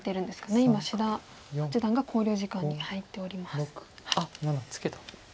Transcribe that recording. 今志田八段が考慮時間に入っております。